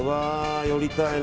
寄りたいな。